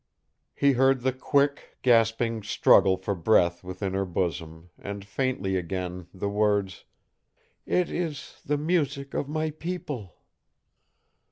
He heard the quick, gasping struggle for breath within her bosom, and, faintly again, the words: "It is the music of my people!"